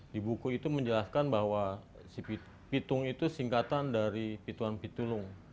di buku itu menjelaskan bahwa si pitung itu singkatan dari pituan pitulung